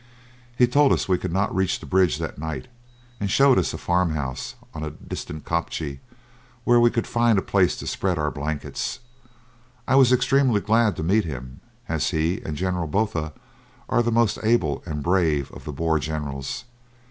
He told us we could not reach the bridge that night, and showed us a farm house on a distant kopje where we could find a place to spread our blankets. I was extremely glad to meet him, as he and General Botha are the most able and brave of the Boer generals.